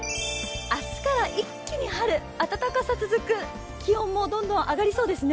明日から一気に春、暖かさ続く気温もどんどん上がりそうですね。